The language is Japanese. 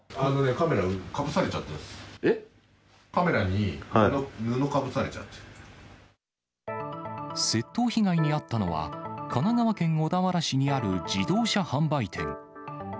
カメラに布、かぶされちゃっ窃盗被害に遭ったのは、神奈川県小田原市にある自動車販売店。